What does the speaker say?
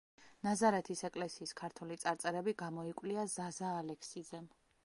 ნაზარეთის ეკლესიის ქართული წარწერები გამოიკვლია ზაზა ალექსიძემ.